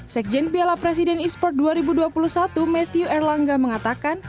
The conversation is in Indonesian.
sekjen piala presiden esports dua ribu dua puluh satu matthew erlangga mengatakan